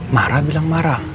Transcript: marah bilang marah